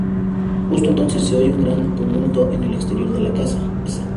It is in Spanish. Justo entonces, se oye un gran tumulto en el exterior de la casa.